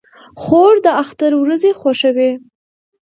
خور د اختر ورځې خوښوي.